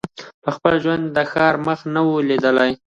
په خپل ژوند یې د ښار مخ نه وو لیدلی